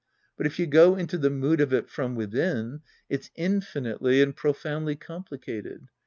But if you go into the mood of it from within, it's infinitely and pro foundly complicated.